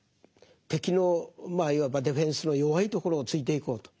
敵のまあいわばディフェンスの弱いところをついていこうと。